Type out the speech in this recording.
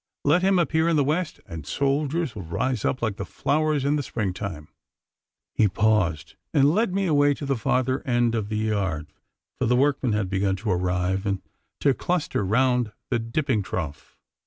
Let him appear in the West, and soldiers will rise up like the flowers in the spring time.' He paused, and led me away to the farther end of the yard, for the workmen had begun to arrive and to cluster round the dipping trough.